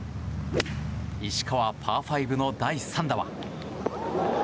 石川、パー５の第３打は。